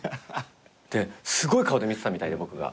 ですごい顔で見てたみたいで僕が。